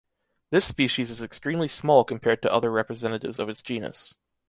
This species is extremely small compared to other representatives of its genus.